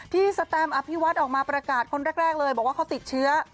สแตมอภิวัฒน์ออกมาประกาศคนแรกเลยบอกว่าเขาติดเชื้อ